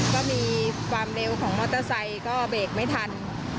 ก็มีความเร็วของมอเตอร์ไซค์ก็เบรกไม่ทัน